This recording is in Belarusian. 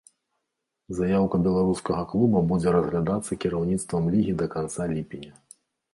Заяўка беларускага клуба будзе разглядацца кіраўніцтвам лігі да канца ліпеня.